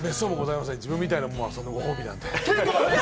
自分みたいなもんが、そんな、ご褒美なんて。